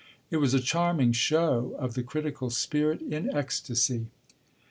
It was a charming show of the critical spirit in ecstasy.